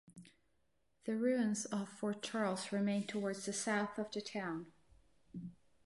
The ruins of Fort Charles remain towards the south of the town.